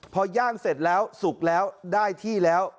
พอย่างเสร็จแล้วสุกแล้วได้ที่แล้ว